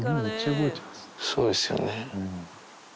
そうっすよね。